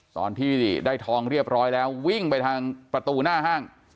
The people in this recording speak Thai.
ตรงเรียบร้อยแล้ววิ่งไปทางประตูหน้าห้าง